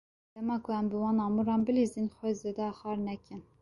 Dema ku em bi van amûran bilîzin, xwe zêde xwar nekin.